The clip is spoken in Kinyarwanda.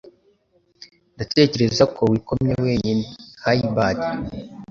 Ndatekereza ko wikomye wenyine. (Hybrid)